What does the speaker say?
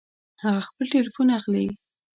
هغه خپل ټيليفون اخلي